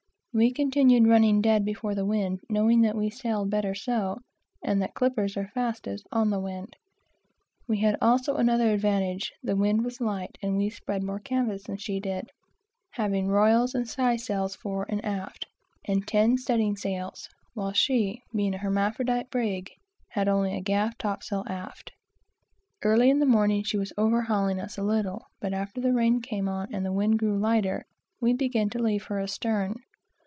We continued running dead before the wind, knowing that we sailed better so, and that clippers are fastest on the wind. We had also another advantage. The wind was light, and we spread more canvas than she did, having royals and sky sails fore and aft, and ten studding sails; while she, being an hermaphrodite brig, had only a gaff topsail, aft. Early in the morning she was overhauling us a little, but after the rain came on and the wind grew lighter, we began to leave her astern.